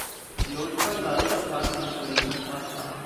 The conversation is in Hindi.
लोजपा लालू का साथ नहीं छोड़ेगी: पासवान